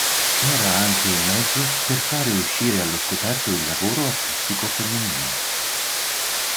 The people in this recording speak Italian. Era anche un mezzo per fare uscire allo scoperto il lavoro artistico femminile.